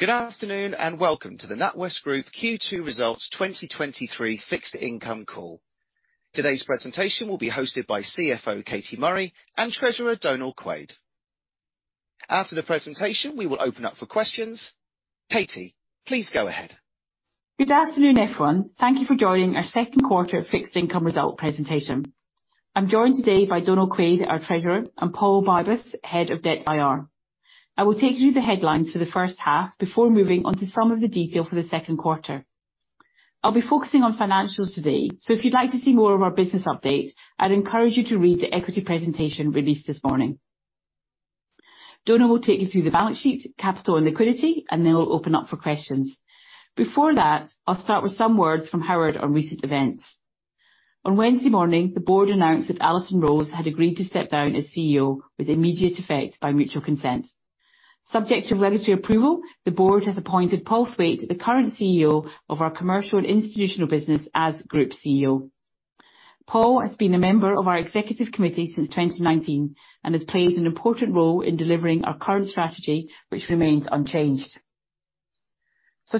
Good afternoon, welcome to the NatWest Group Q2 Results 2023 Fixed Income Call. Today's presentation will be hosted by CFO Katie Murray and Treasurer Donal Quaid. After the presentation, we will open up for questions. Katie, please go ahead. Good afternoon, everyone. Thank you for joining our second quarter fixed income result presentation. I'm joined today by Donal Quaid, our treasurer, and Paul Pybus, head of Debt IR. I will take you through the headlines for the first half before moving on to some of the detail for the second quarter. I'll be focusing on financials today, so if you'd like to see more of our business update, I'd encourage you to read the equity presentation released this morning. Donal will take you through the balance sheet, capital, and liquidity. Then we'll open up for questions. Before that, I'll start with some words from Howard on recent events. On Wednesday morning, the board announced that Alison Rose had agreed to step down as CEO with immediate effect by mutual consent. Subject to regulatory approval, the board has appointed Paul Thwaite, the current CEO of our commercial and institutional business, as Group CEO. Paul has been a member of our executive committee since 2019 and has played an important role in delivering our current strategy, which remains unchanged.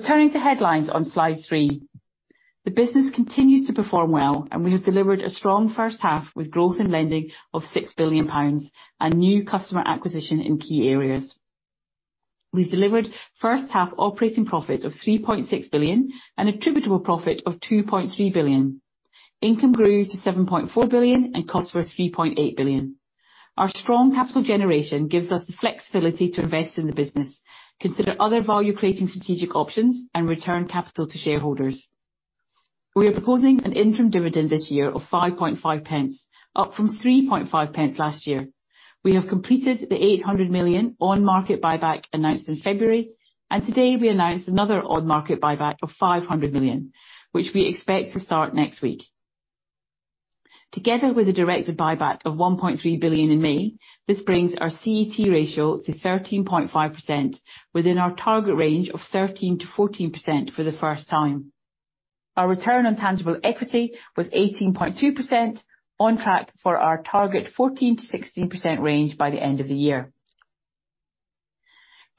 Turning to headlines on slide three. The business continues to perform well, and we have delivered a strong first half, with growth in lending of 6 billion pounds and new customer acquisition in key areas. We've delivered first-half operating profits of 3.6 billion and attributable profit of 2.3 billion. Income grew to 7.4 billion, and costs were 3.8 billion. Our strong capital generation gives us the flexibility to invest in the business, consider other value-creating strategic options, and return capital to shareholders. We are proposing an interim dividend this year of 5.5 pence, up from 3.5 pence last year. We have completed the 800 million on-market buyback announced in February, and today we announced another on-market buyback of 500 million, which we expect to start next week. Together with a directed buyback of 1.3 billion in May, this brings our CET1 ratio to 13.5%, within our target range of 13%-14% for the first time. Our return on tangible equity was 18.2%, on track for our target 14%-16% range by the end of the year.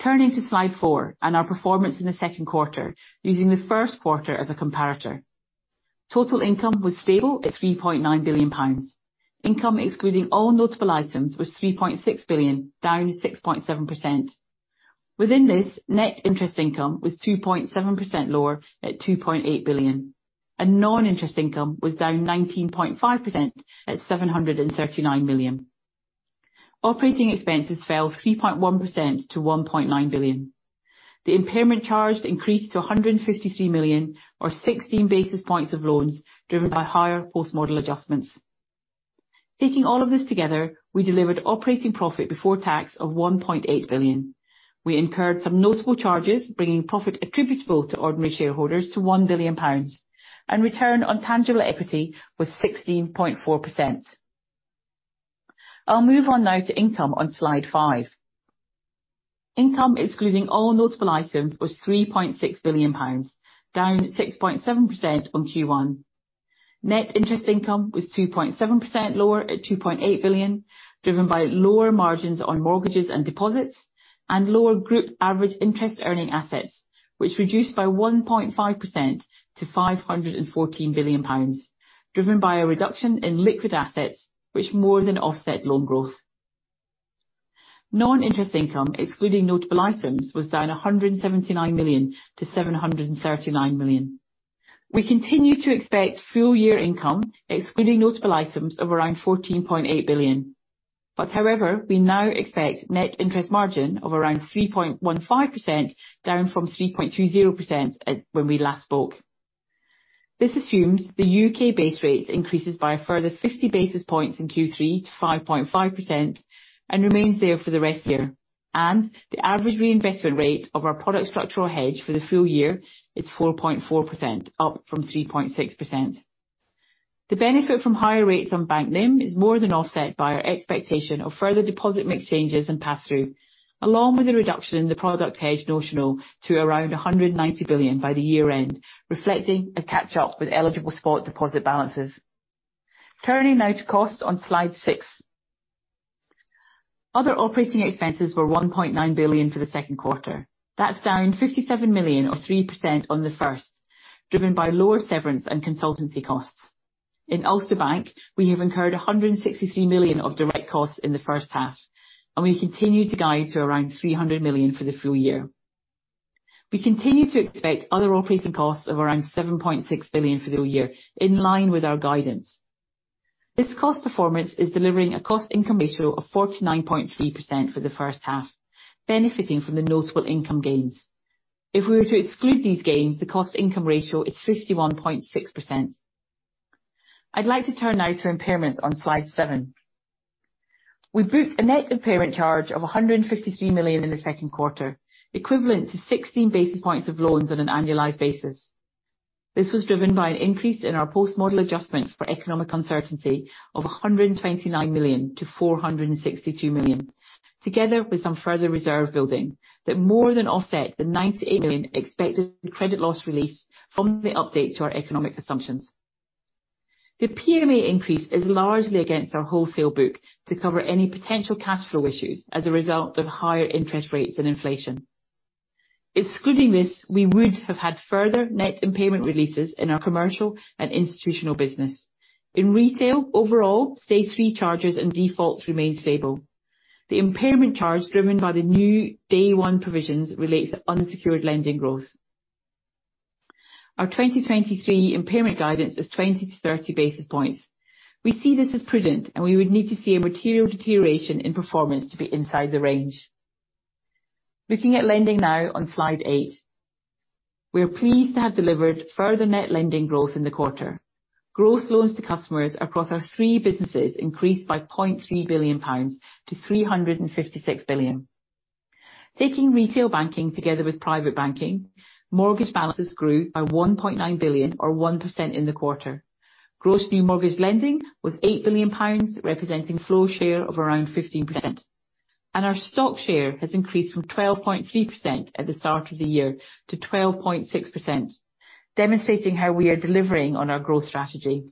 Turning to slide 4 and our performance in the second quarter, using the first quarter as a comparator. Total income was stable at 3.9 billion pounds. Income, excluding all notable items, was 3.6 billion, down 6.7%. Within this, net interest income was 2.7% lower at 2.8 billion, and non-interest income was down 19.5% at 739 million. Operating expenses fell 3.1% to 1.9 billion. The impairment charge increased to 153 million, or 16 basis points of loans, driven by higher post-model adjustments. Taking all of this together, we delivered operating profit before tax of 1.8 billion. We incurred some notable charges, bringing profit attributable to ordinary shareholders to 1 billion pounds, and return on tangible equity was 16.4%. I'll move on now to income on slide 5. Income, excluding all notable items, was 3.6 billion pounds, down 6.7% on Q1. Net interest income was 2.7% lower at 2.8 billion, driven by lower margins on mortgages and deposits and lower group average interest earning assets, which reduced by 1.5% to 514 billion pounds, driven by a reduction in liquid assets, which more than offset loan growth. Non-interest income, excluding notable items, was down 179 million to 739 million. We continue to expect full-year income, excluding notable items, of around 14.8 billion. However, we now expect net interest margin of around 3.15%, down from 3.20% at... when we last spoke. This assumes the U.K. base rate increases by a further 50 basis points in Q3 to 5.5% and remains there for the rest of the year, and the average reinvestment rate of our Product Structural Hedge for the full year is 4.4%, up from 3.6%. The benefit from higher rates on Bank NIM is more than offset by our expectation of further deposit mix changes and pass-through, along with a reduction in the Product Hedge notional to around 190 billion by the year-end, reflecting a catch-up with eligible spot deposit balances. Turning now to costs on slide 6. Other operating expenses were GBP 1.9 billion for the second quarter. That's down GBP 57 million or 3% on the first, driven by lower severance and consultancy costs. In Ulster Bank, we have incurred 163 million of direct costs in the first half. We continue to guide to around 300 million for the full year. We continue to expect other operating costs of around 7.6 billion for the year, in line with our guidance. This cost performance is delivering a cost income ratio of 49.3% for the first half, benefiting from the notable income gains. If we were to exclude these gains, the cost income ratio is 51.6%. I'd like to turn now to impairments on slide seven. We booked a net impairment charge of 153 million in the Q2, equivalent to 16 basis points of loans on an annualized basis. This was driven by an increase in our post-model adjustment for economic uncertainty of 129 million to 462 million, together with some further reserve building that more than offset the 98 million expected credit loss release from the update to our economic assumptions. The PMA increase is largely against our wholesale book to cover any potential cash flow issues as a result of higher interest rates and inflation. Excluding this, we would have had further net impairment releases in our commercial and institutional business. In retail, overall, stage three charges and defaults remained stable. The impairment charge, driven by the new day one provisions, relates to unsecured lending growth. Our 2023 impairment guidance is 20 to 30 basis points. We see this as prudent, and we would need to see a material deterioration in performance to be inside the range. Looking at lending now on Slide eight, we are pleased to have delivered further net lending growth in the quarter. Growth loans to customers across our three businesses increased by GBP 0.3 billion to GBP 356 billion. Taking retail banking together with private banking, mortgage balances grew by 1.9 billion, or 1% in the quarter. Gross new mortgage lending was 8 billion pounds, representing flow share of around 15%, and our stock share has increased from 12.3% at the start of the year to 12.6%, demonstrating how we are delivering on our growth strategy.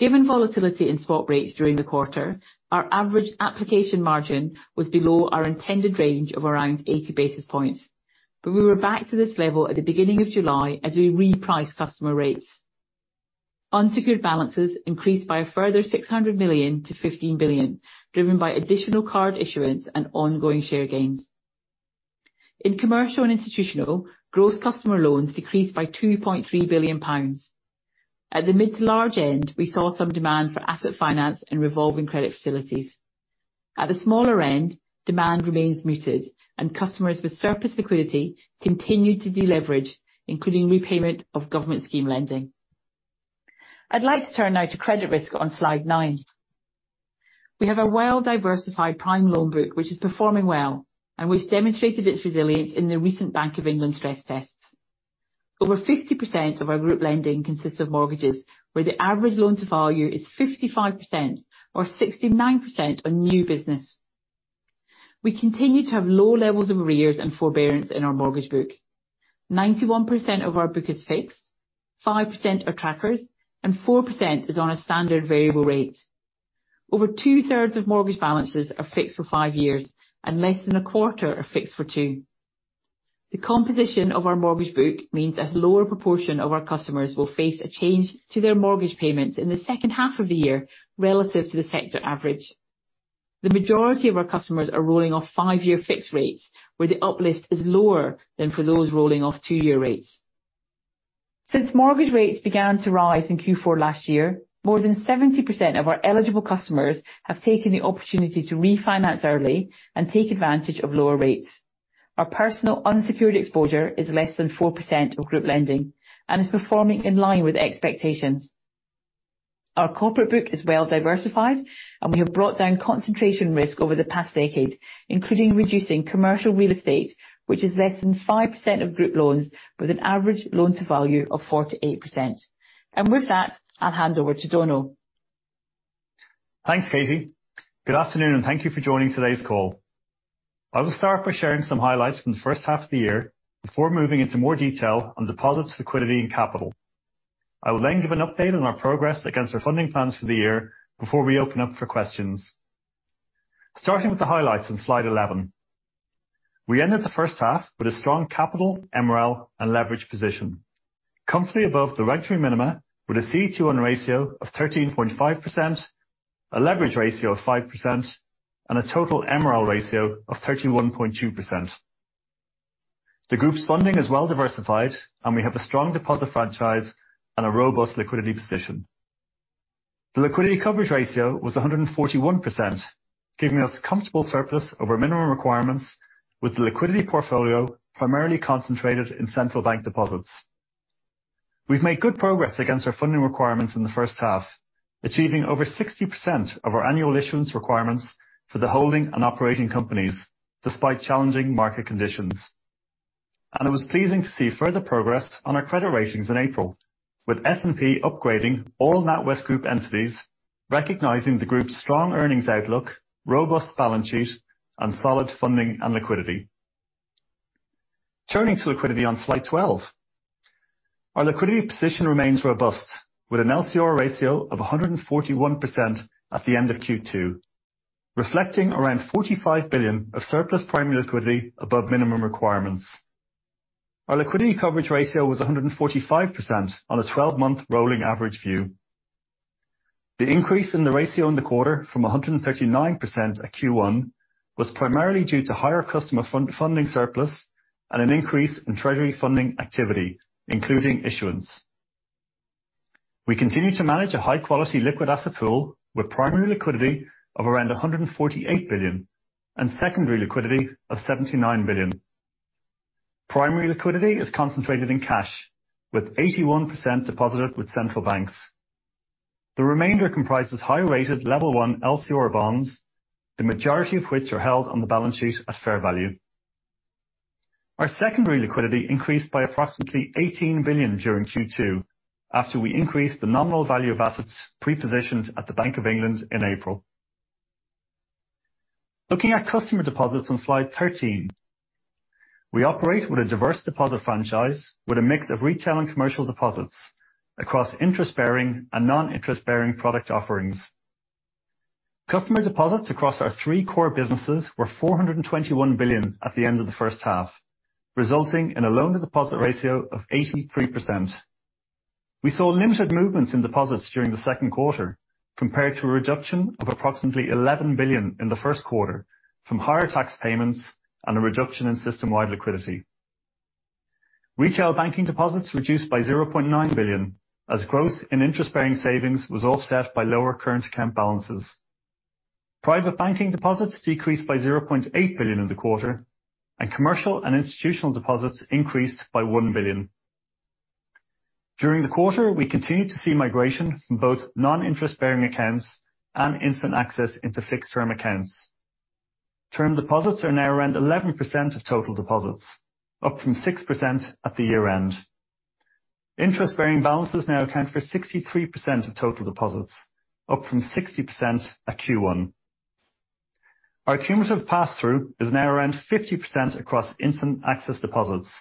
Given volatility in spot rates during the quarter, our average application margin was below our intended range of around 80 basis points, but we were back to this level at the beginning of July as we repriced customer rates. Unsecured balances increased by a further 600 million to 15 billion, driven by additional card issuance and ongoing share gains. In commercial and institutional, gross customer loans decreased by 2.3 billion pounds. At the mid to large end, we saw some demand for asset finance and revolving credit facilities. At the smaller end, demand remains muted, and customers with surplus liquidity continued to deleverage, including repayment of government scheme lending. I'd like to turn now to credit risk on Slide 9. We have a well-diversified prime loan book, which is performing well, and which demonstrated its resilience in the recent Bank of England stress tests. Over 50% of our group lending consists of mortgages, where the average loan to value is 55% or 69% on new business. We continue to have low levels of arrears and forbearance in our mortgage book. 91% of our book is fixed, 5% are trackers, and 4% is on a standard variable rate. Over two-thirds of mortgage balances are fixed for five years, and less than a quarter are fixed for two. The composition of our mortgage book means a lower proportion of our customers will face a change to their mortgage payments in the second half of the year relative to the sector average. The majority of our customers are rolling off five-year fixed rates, where the uplift is lower than for those rolling off two-year rates. Since mortgage rates began to rise in Q4 last year, more than 70% of our eligible customers have taken the opportunity to refinance early and take advantage of lower rates. Our personal unsecured exposure is less than 4% of group lending and is performing in line with expectations. Our corporate book is well diversified, and we have brought down concentration risk over the past decade, including reducing commercial real estate, which is less than 5% of group loans, with an average loan to value of 4%-8%. With that, I'll hand over to Donal. Thanks, Katie. Good afternoon, thank you for joining today's call. I will start by sharing some highlights from the first half of the year before moving into more detail on deposits, liquidity, and capital. I will then give an update on our progress against our funding plans for the year before we open up for questions. Starting with the highlights on Slide 11, we ended the first half with a strong capital, MREL, and leverage position, comfortably above the regulatory minima, with a CET1 ratio of 13.5%, a leverage ratio of 5%, a total MREL ratio of 31.2%. The group's funding is well diversified, we have a strong deposit franchise and a robust liquidity position. The liquidity coverage ratio was 141%, giving us comfortable surplus over minimum requirements, with the liquidity portfolio primarily concentrated in central bank deposits. We've made good progress against our funding requirements in the first half, achieving over 60% of our annual issuance requirements for the holding and operating companies, despite challenging market conditions. It was pleasing to see further progress on our credit ratings in April, with S&P upgrading all NatWest Group entities, recognizing the group's strong earnings outlook, robust balance sheet, and solid funding and liquidity. Turning to liquidity on Slide 12, our liquidity position remains robust, with an LCR ratio of 141% at the end of Q2, reflecting around 45 billion of surplus primary liquidity above minimum requirements. Our liquidity coverage ratio was 145% on a 12-month rolling average view. The increase in the ratio in the quarter, from 139% at Q1, was primarily due to higher customer funding surplus and an increase in treasury funding activity, including issuance. We continue to manage a high-quality liquid asset pool with primary liquidity of around 148 billion and secondary liquidity of 79 billion. Primary liquidity is concentrated in cash, with 81% deposited with central banks. The remainder comprises high-rated Level 1 LCR bonds, the majority of which are held on the balance sheet at fair value. Our secondary liquidity increased by approximately 18 billion during Q2, after we increased the nominal value of assets pre-positioned at the Bank of England in April. Looking at customer deposits on slide 13. We operate with a diverse deposit franchise, with a mix of retail and commercial deposits across interest-bearing and non-interest-bearing product offerings. Customer deposits across our three core businesses were 421 billion at the end of the H1, resulting in a loan-to-deposit ratio of 83%. We saw limited movements in deposits during the second quarter, compared to a reduction of approximately 11 billion in the H1, from higher tax payments and a reduction in system-wide liquidity. Retail banking deposits reduced by 0.9 billion, as growth in interest-bearing savings was offset by lower current account balances. Private banking deposits decreased by 0.8 billion in the quarter, and commercial and institutional deposits increased by 1 billion. During the quarter, we continued to see migration from both non-interest-bearing accounts and instant access into fixed-term accounts. Term deposits are now around 11% of total deposits, up from 6% at the year-end. Interest-bearing balances now account for 63% of total deposits, up from 60% at Q1. Our cumulative pass-through is now around 50% across instant access deposits,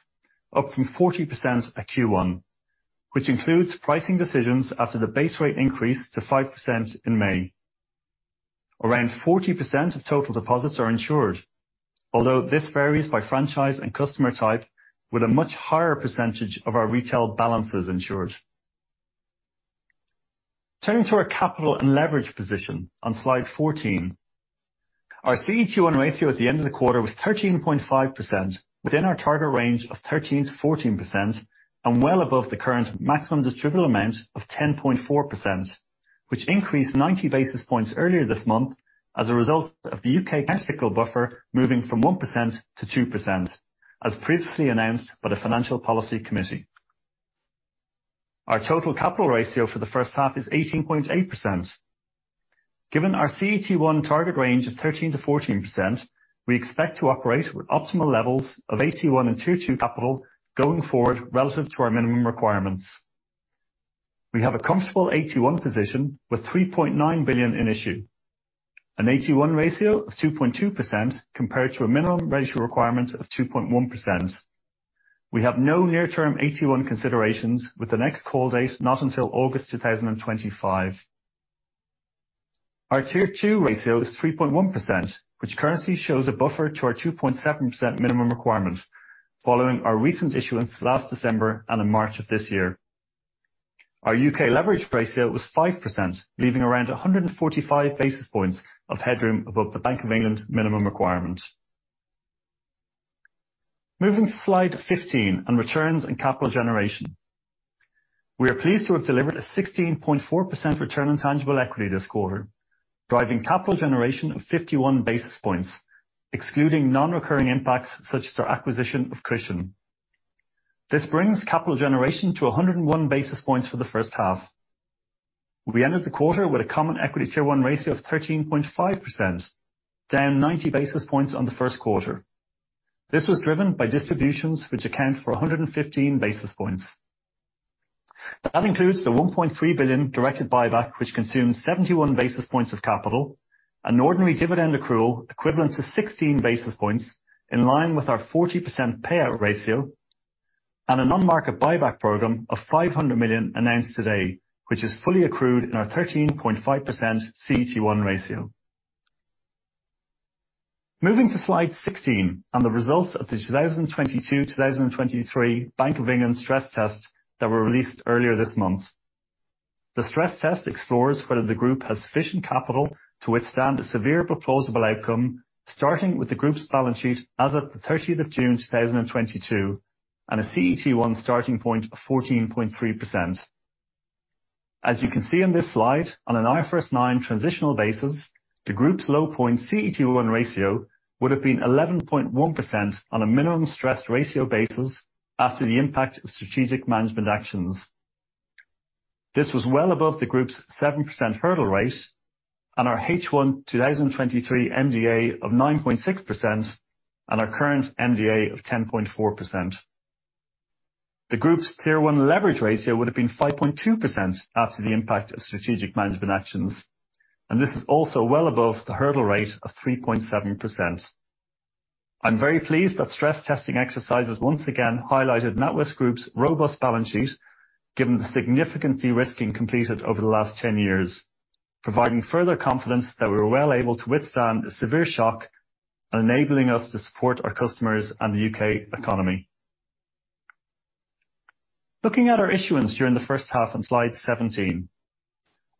up from 40% at Q1, which includes pricing decisions after the base rate increase to 5% in May. Around 40% of total deposits are insured, although this varies by franchise and customer type, with a much higher percentage of our retail balances insured. Turning to our capital and leverage position on slide 14. Our CET1 ratio at the end of the quarter was 13.5%, within our target range of 13%-14%, and well above the current maximum distributable amount of 10.4%, which increased 90 basis points earlier this month as a result of the UK countercyclical buffer moving from 1%-2%, as previously announced by the Financial Policy Committee. Our total capital ratio for the first half is 18.8%. Given our CET1 target range of 13%-14%, we expect to operate with optimal levels of AT1 and Tier 2 capital going forward, relative to our minimum requirements. We have a comfortable AT1 position, with 3.9 billion in issue, an AT1 ratio of 2.2% compared to a minimum ratio requirement of 2.1%. We have no near-term AT1 considerations, with the next call date not until August 2025. Our Tier 2 ratio is 3.1%, which currently shows a buffer to our 2.7% minimum requirement, following our recent issuance last December and in March of this year. Our UK leverage ratio was 5%, leaving around 145 basis points of headroom above the Bank of England minimum requirement. Moving to slide 15, on returns and capital generation. We are pleased to have delivered a 16.4% return on tangible equity this quarter, driving capital generation of 51 basis points, excluding non-recurring impacts such as our acquisition of Cushon. This brings capital generation to 101 basis points for the first half. We ended the quarter with a Common Equity Tier 1 ratio of 13.5%, down 90 basis points on the first quarter. This was driven by distributions, which account for 115 basis points. That includes the 1.3 billion directed buyback, which consumes 71 basis points of capital, an ordinary dividend accrual equivalent to 16 basis points, in line with our 40% payout ratio, and an on-market buyback program of 500 million announced today, which is fully accrued in our 13.5% CET1 ratio. Moving to slide 16, on the results of the 2022, 2023 Bank of England stress tests that were released earlier this month. The stress test explores whether the group has sufficient capital to withstand a severe but plausible outcome, starting with the group's balance sheet as of June 30, 2022, and a CET1 starting point of 14.3%. As you can see on this slide, on an IFRS 9 transitional basis, the group's low point CET1 ratio would have been 11.1% on a minimum stress ratio basis after the impact of strategic management actions. This was well above the group's 7% hurdle rate and our H1 2023 MDA of 9.6%, and our current MDA of 10.4%. The group's Tier 1 leverage ratio would have been 5.2% after the impact of strategic management actions, and this is also well above the hurdle rate of 3.7%. I'm very pleased that stress testing exercises once again highlighted NatWest Group's robust balance sheet, given the significant de-risking completed over the last 10 years, providing further confidence that we were well able to withstand a severe shock, enabling us to support our customers and the UK economy. Looking at our issuance during the first half on slide 17.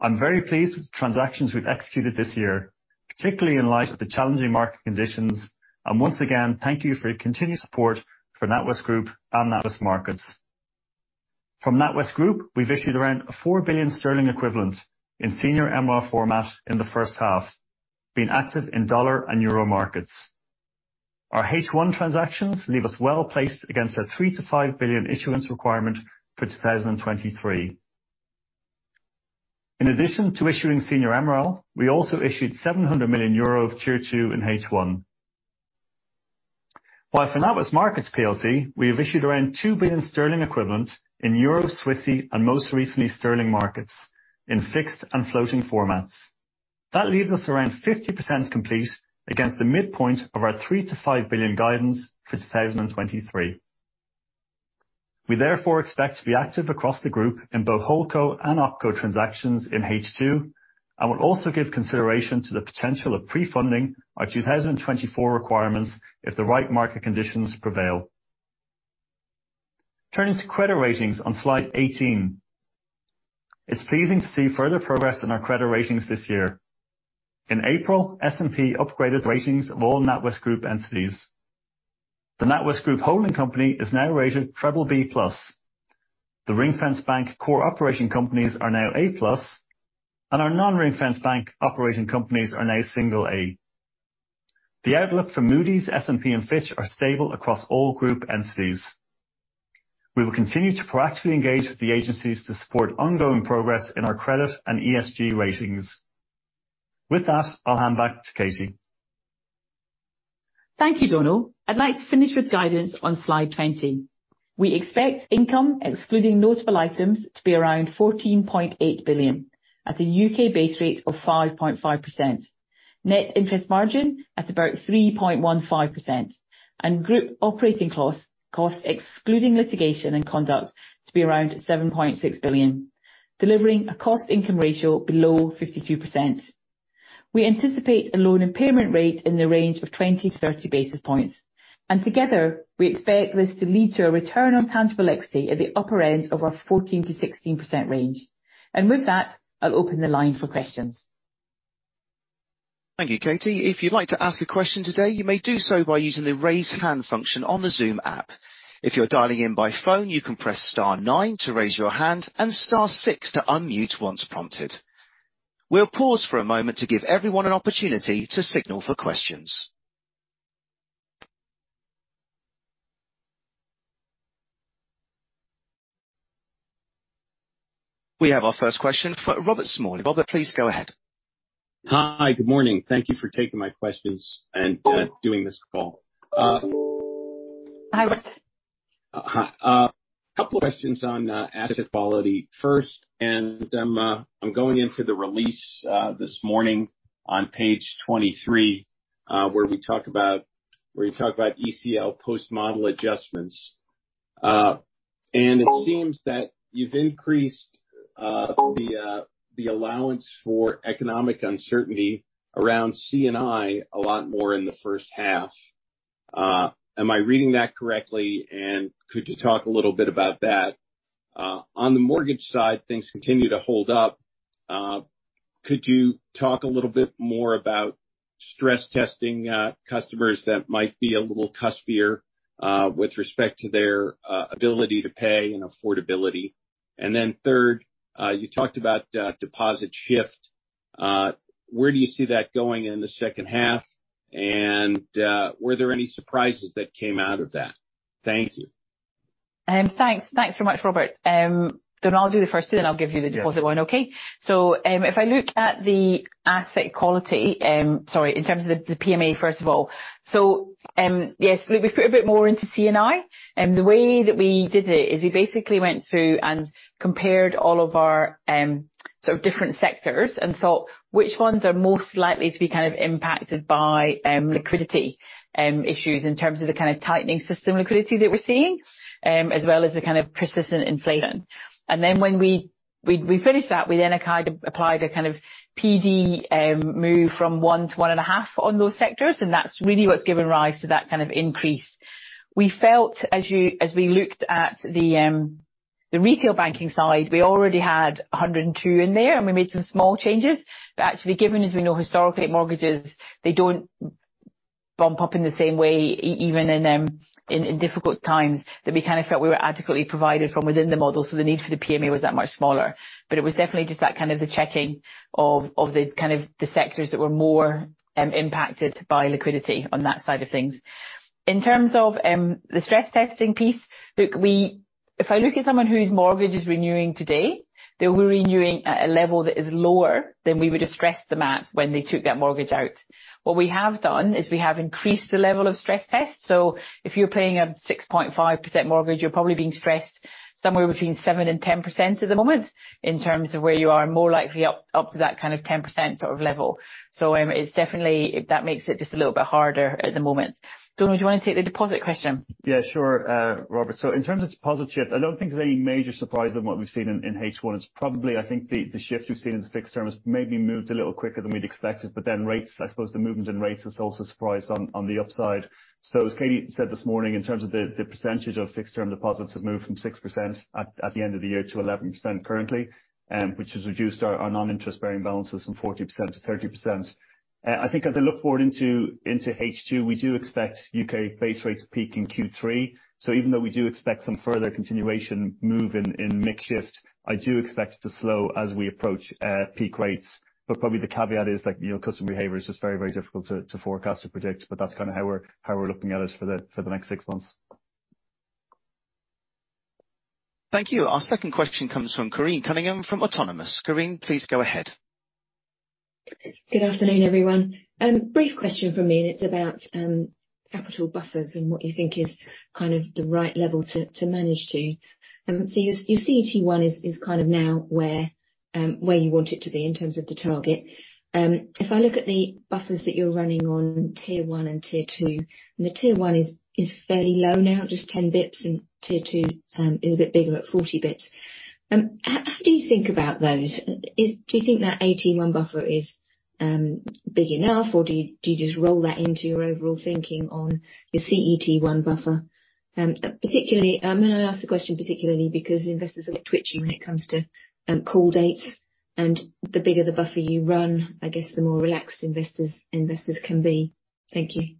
I'm very pleased with the transactions we've executed this year, particularly in light of the challenging market conditions, and once again, thank you for your continued support for NatWest Group and NatWest Markets. From NatWest Group, we've issued around 4 billion sterling equivalent in senior MREL format in the first half, being active in dollar and euro markets. Our H1 transactions leave us well placed against our 3 billion-5 billion issuance requirement for 2023. In addition to issuing senior MREL, we also issued 700 million euro of Tier 2 in H1. For NatWest Markets Plc, we have issued around 2 billion sterling equivalent in euro, Swissy, and most recently, sterling markets in fixed and floating formats. That leaves us around 50% complete against the midpoint of our 3 billion-5 billion guidance for 2023. We therefore expect to be active across the group in both HoldCo and OpCo transactions in H2, and will also give consideration to the potential of pre-funding our 2024 requirements if the right market conditions prevail. Turning to credit ratings on slide 18. It's pleasing to see further progress in our credit ratings this year. In April, S&P upgraded the ratings of all NatWest Group entities. The NatWest Group holding company is now rated BBB+. The Ring-Fenced Bank core operation companies are now A plus. Our Non-Ring-Fenced Bank operating companies are now single A. The outlook for Moody's, S&P, and Fitch are stable across all group entities. We will continue to proactively engage with the agencies to support ongoing progress in our credit and ESG ratings. With that, I'll hand back to Katie. Thank you, Donal. I'd like to finish with guidance on slide 20. We expect income, excluding notable items, to be around 14.8 billion at a UK base rate of 5.5%, net interest margin at about 3.15%, and group operating costs, costs excluding litigation and conduct, to be around 7.6 billion, delivering a cost income ratio below 52%. We anticipate a loan impairment rate in the range of 20-30 basis points, and together, we expect this to lead to a Return on Tangible Equity at the upper end of our 14%-16% range. With that, I'll open the line for questions. Thank you, Katie. If you'd like to ask a question today, you may do so by using the Raise Hand function on the Zoom app. If you're dialing in by phone, you can press star nine to raise your hand and star six to unmute once prompted. We'll pause for a moment to give everyone an opportunity to signal for questions. We have our first question from Robert Smalley. Robert, please go ahead. Hi, good morning. Thank you for taking my questions and doing this call. Hi, Robert. Hi, a couple of questions on asset quality. First, I'm going into the release this morning on page 23, where we talk about-- where you talk about ECL post-model adjustments. It seems that you've increased the allowance for economic uncertainty around CNI a lot more in the H1. Am I reading that correctly? Could you talk a little bit about that? On the mortgage side, things continue to hold up. Could you talk a little bit more about stress testing, customers that might be a little cuspier, with respect to their ability to pay and affordability? Then third, you talked about deposit shift. Where do you see that going in the H2? Were there any surprises that came out of that? Thank you. Thanks. Thanks so much, Robert. Donal, I'll do the first two, then I'll give you the deposit one, okay? Yeah. If I look at the asset quality, sorry, in terms of the PMA, first of all, yes, we've put a bit more into CNI. The way that we did it is we basically went through and compared all of our sort of different sectors and thought which ones are most likely to be kind of impacted by liquidity issues in terms of the kind of tightening system liquidity that we're seeing, as well as the kind of persistent inflation. When we, we, we finished that, we then kind of applied a kind of PD move from 1 to 1.5 on those sectors, and that's really what's given rise to that kind of increase. We felt, as we looked at the retail banking side, we already had 102 in there, and we made some small changes. Actually, given, as we know historically, mortgages, they don't bump up in the same way, even in difficult times, that we kind of felt we were adequately provided from within the model. The need for the PMA was that much smaller. It was definitely just that kind of the checking of the sectors that were more impacted by liquidity on that side of things. In terms of the stress testing piece, look, If I look at someone whose mortgage is renewing today, they'll be renewing at a level that is lower than we would have stressed them at when they took that mortgage out. What we have done, is we have increased the level of stress test, so if you're paying a 6.5% mortgage, you're probably being stressed somewhere between 7%-10% at the moment, in terms of where you are more likely up, up to that kind of 10% sort of level. It's definitely. That makes it just a little bit harder at the moment. Donal, do you want to take the deposit question? Yeah, sure, Robert. In terms of deposit shift, I don't think there's any major surprise than what we've seen in H1. It's probably, I think, the shift we've seen in the fixed term has maybe moved a little quicker than we'd expected, but then rates, I suppose the movement in rates has also surprised on the upside. As Katie said this morning, in terms of the percentage of fixed term deposits have moved from 6% at the end of the year to 11% currently, which has reduced our non-interest bearing balances from 40% to 30%. I think as I look forward into H2, we do expect UK base rates to peak in Q3. Even though we do expect some further continuation move in, in mix shift, I do expect it to slow as we approach peak rates. Probably the caveat is, like, you know, customer behavior is just very, very difficult to, to forecast or predict, but that's kind of how we're, how we're looking at it for the next six months. Thank you. Our second question comes from Corinne Cunningham from Autonomous. Corinne, please go ahead. Good afternoon, everyone. brief question from me, and it's about capital buffers and what you think is the right level to manage to. Your CET1 is now where where you want it to be in terms of the target. If I look at the buffers that you're running on Tier 1 and Tier 2, and the Tier 1 is fairly low now, just 10 basis points, and Tier 2 is a bit bigger at 40 basis points. How do you think about those? Do you think that AT1 buffer is big enough, or do you just roll that into your overall thinking on your CET1 buffer? Particularly, I'm gonna ask the question, particularly because investors are twitchy when it comes to call dates, and the bigger the buffer you run, I guess the more relaxed investors, investors can be. Thank you. I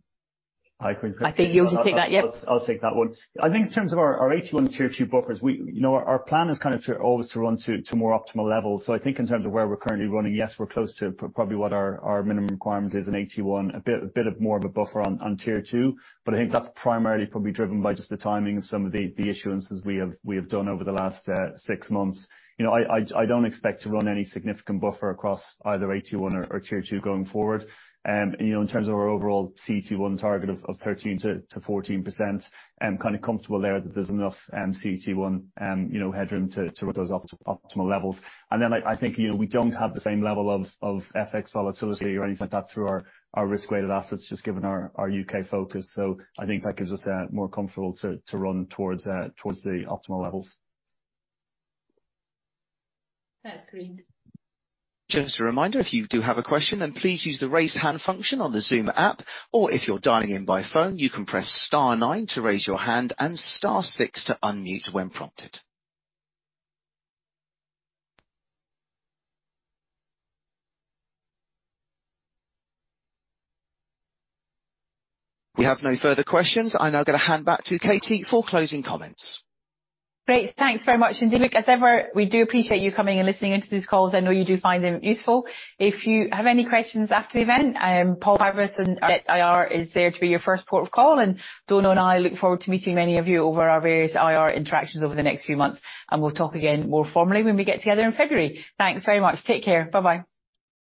can- I think you'll just take that, yep. I'll, I'll take that one. I think in terms of our, our AT1 Tier 2 buffers, you know, our plan is kind of to always to run to, to more optimal levels. I think in terms of where we're currently running, yes, we're close to probably what our, our minimum requirement is in AT1, a bit, a bit of more of a buffer on, on Tier 2, but I think that's primarily probably driven by just the timing of some of the, the issuances we have, we have done over the last six months. You know, I don't expect to run any significant buffer across either AT1 or, or Tier 2 going forward. you know, in terms of our overall CET1 target of 13%-14%, kind of comfortable there that there's enough CET1, you know, headroom to run those optimal levels. Then, I think, you know, we don't have the same level of FX volatility or anything like that through our risk-weighted assets, just given our UK focus. I think that gives us more comfortable to run towards the optimal levels. Thanks, Corinne. Just a reminder, if you do have a question, then please use the Raise Hand function on the Zoom app, or if you're dialing in by phone, you can press star nine to raise your hand and star six to unmute when prompted. We have no further questions. I'm now going to hand back to Katie for closing comments. Great. Thanks very much, indeed. Look, as ever, we do appreciate you coming and listening in to these calls. I know you do find them useful. If you have any questions after the event, Paul Pybus and at IR is there to be your first port of call, and Donal Quaid and I look forward to meeting many of you over our various IR interactions over the next few months. We'll talk again more formally when we get together in February. Thanks very much. Take care. Bye-bye.